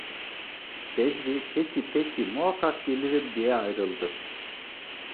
Bedri: "Peki, peki, muhakkak gelirim!" diye ayrıldı.